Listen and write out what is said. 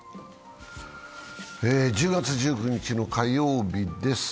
１０月１９日の火曜日です。